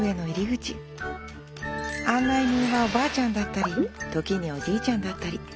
案内人はおばあちゃんだったり時におじいちゃんだったり。